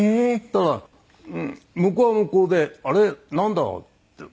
だから向こうは向こうで「あれ？なんだ」って。